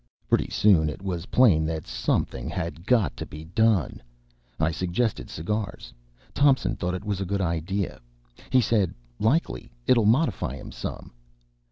Pretty soon it was plain that something had got to be done. I suggested cigars. Thompson thought it was a good idea. He said, "Likely it'll modify him some."